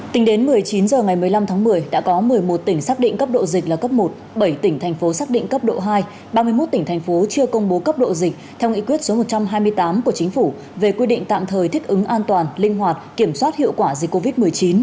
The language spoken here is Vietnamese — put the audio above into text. tính đến một mươi chín h ngày một mươi năm tháng một mươi đã có một mươi một tỉnh xác định cấp độ dịch là cấp một bảy tỉnh thành phố xác định cấp độ hai ba mươi một tỉnh thành phố chưa công bố cấp độ dịch theo nghị quyết số một trăm hai mươi tám của chính phủ về quy định tạm thời thích ứng an toàn linh hoạt kiểm soát hiệu quả dịch covid một mươi chín